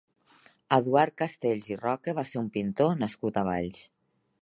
Eduard Castells i Roca va ser un pintor nascut a Valls.